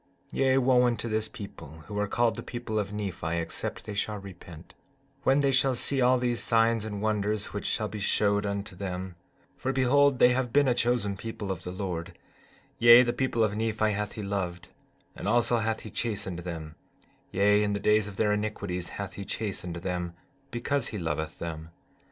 15:3 Yea, wo unto this people who are called the people of Nephi except they shall repent, when they shall see all these signs and wonders which shall be showed unto them; for behold, they have been a chosen people of the Lord; yea, the people of Nephi hath he loved, and also hath he chastened them; yea, in the days of their iniquities hath he chastened them because he loveth them.